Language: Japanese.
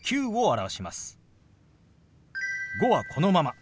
「５」はこのまま。